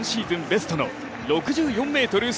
ベストの６４ｍ３２！